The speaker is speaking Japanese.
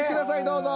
どうぞ。